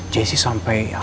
jessy sampai sekarang